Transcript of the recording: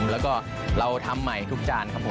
แล้วก็เราทำใหม่ทุกจานครับผม